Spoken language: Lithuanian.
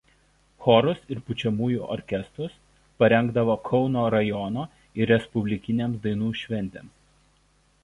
Chorus ir pučiamųjų orkestrus parengdavo Kauno rajono ir respublikinėms dainų šventėms.